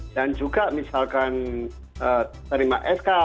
dan juga misalkan terima sk